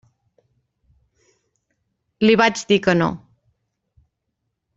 Li vaig dir que no.